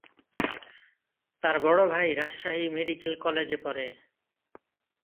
তার বড় ভাই রাজশাহী মেডিকেল কলেজে পড়ে।